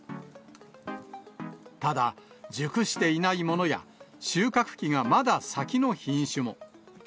ただ、熟していないものや、収穫期がまだ先の品種も。